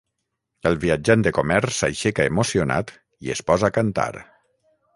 El viatjant de comerç s'aixeca emocionat i es posa a cantar.